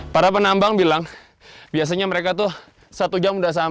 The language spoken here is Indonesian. para penambang bilang biasanya mereka tuh satu jam udah sampai